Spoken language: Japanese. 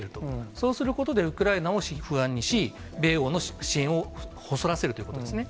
そうすることで、ウクライナを不安にし、米欧の支援を細らせるということですね。